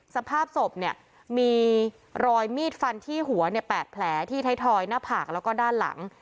สภาพศพเนี่ยมีรอยมีดฟันที่หัว๘แผลที่ไทยทอยหน้าผากแล้วก็ด้านหลัง